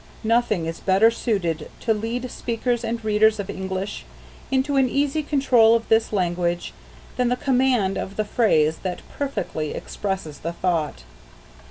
Nothing is better suited to lead speakers and readers of English into an easy control of this language than the command of the phrase that perfectly expresses the thought.